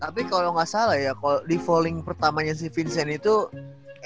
tapi kalo gak salah ya di falling pertamanya si vincent itu ya